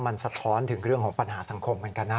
มันสะท้อนถึงเรื่องของปัญหาสังคมเหมือนกันนะ